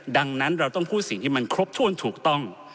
ดังนั้นเราต้องพูดสิ่งที่มันครบถ้วนถูกต้อง